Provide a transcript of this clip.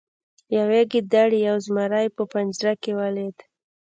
یوې ګیدړې یو زمری په پنجره کې ولید.